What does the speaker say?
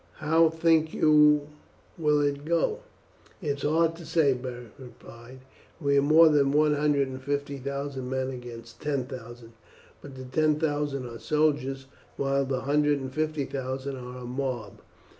"How think you will it go?" "It is hard to say," Beric replied; "we are more than one hundred and fifty thousand men against ten thousand, but the ten thousand are soldiers, while the hundred and fifty thousand are a mob.